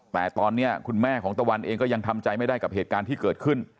แต่ตอนนี้คุณแม่ของตะวันเองก็ยังทำใจไม่ได้กับเหตุการณ์ที่เกิดขึ้น